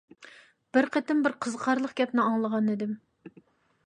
بىر قېتىم بىر قىزىقارلىق گەپنى ئاڭلىغانىدىم.